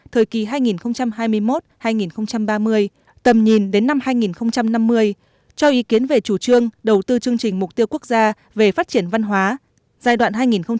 thời kỳ hai nghìn hai mươi một hai nghìn ba mươi tầm nhìn đến năm hai nghìn năm mươi cho ý kiến về chủ trương đầu tư chương trình mục tiêu quốc gia về phát triển văn hóa giai đoạn hai nghìn hai mươi một hai nghìn ba mươi